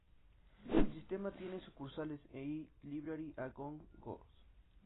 El sistema tiene sucursales y "Library-a-Go-Go"s.